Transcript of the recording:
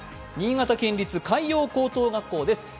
新潟県立海洋高等学校です。